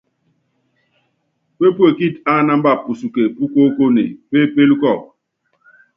Pépuekíti ánámba pusuke púkoókone, pépélé kɔɔku.